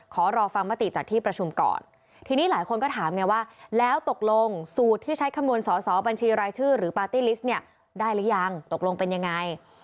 ขอรอฟังมติจากที่ประชุมก่อนทีนี้หลายคนก็ถามไงว่าแล้วตกลงสูตรที่ใช้คำนวณสอสอบัญชีรายชื่อหรือปาร์ตี้ลิสต์เนี่ยได้หรือยังตกลงเป็นยังไง